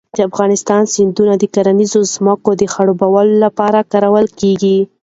د افغانستان سیندونه د کرنیزو ځمکو د خړوبولو لپاره کارول کېږي.